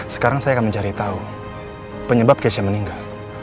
sekarang saya akan mencari tahu penyebab kesya meninggal